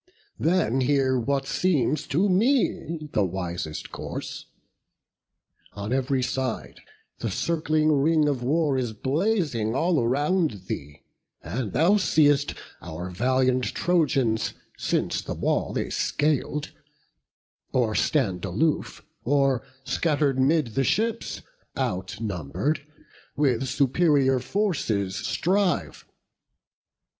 Then hear what seems to me the wisest course. On ev'ry side the circling ring of war Is blazing all around thee; and, thou seest, Our valiant Trojans, since the wall they scal'd, Or stand aloof, or scatter'd 'mid the ships Outnumber'd, with superior forces strive.